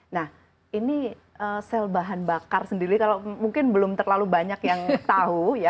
nah ini sel bahan bakar sendiri kalau mungkin belum terlalu banyak yang tahu ya